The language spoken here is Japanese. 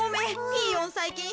ピーヨンさいきん